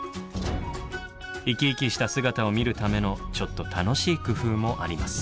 イキイキした姿を見るためのちょっと楽しい工夫もあります。